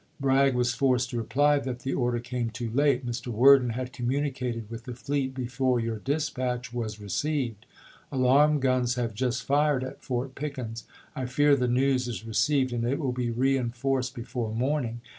Bragg was forced to reply that the order came too late. " Mr. Worden had communi cated with the fleet before your dispatch [was] re ceived. Alarm guns have iust fired at Fort Pickens. Bragg to •. Walker I fear the news is received, and it will be reenforced Api. 12,1861. before morning.